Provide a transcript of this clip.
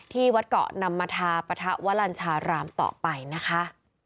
ที่วัดเกาะนำมาทาปะทะวลัญชารามต่อไปนะคะ